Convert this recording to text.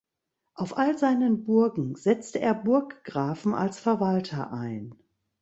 Auf all seinen Burgen setzte er Burggrafen als Verwalter ein.